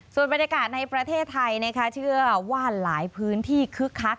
ส่วนบรรยากาศในประเทศไทยนะคะเชื่อว่าหลายพื้นที่คึกคัก